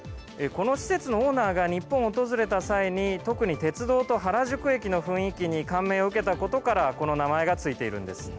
この施設のオーナーが日本を訪れた際に特に鉄道と原宿駅の雰囲気に感銘を受けたことからこの名前がついているんです。